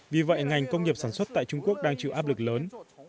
vì vậy ngành công nghiệp sản xuất tại trung quốc đang chịu áp lực lớn